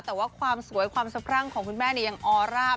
แต่ว่าความสวยความสะพรั่งของคุณแม่ยังออร่า